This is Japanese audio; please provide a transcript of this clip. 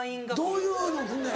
どういうの来んねん？